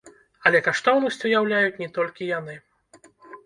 Але каштоўнасць уяўляюць не толькі яны.